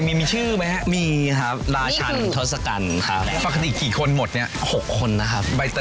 อันนี้เขาเรียกว่าชุดอะไรมีชื่อไหม